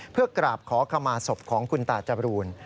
เพื่อกราบขอขมาศพของคุณตาจบรูน